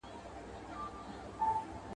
له څاڅکو څاڅکو څه درياب جوړېږي.